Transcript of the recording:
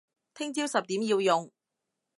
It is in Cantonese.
聽朝十點要用